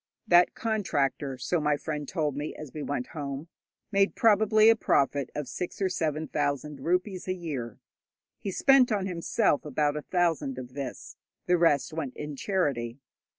That contractor, so my friend told me as we went home, made probably a profit of six or seven thousand rupees a year. He spent on himself about a thousand of this; the rest went in charity.